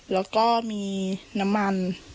แล้วก็มีน้ำมัน